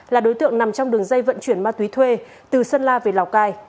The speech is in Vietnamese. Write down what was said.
là đối tượng nằm trong đường dây vận chuyển ma túy thuê từ sơn la về lào cai